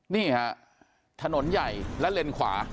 นี่ฮะถนนใหญ่และเลนขวา